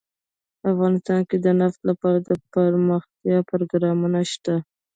افغانستان کې د نفت لپاره دپرمختیا پروګرامونه شته.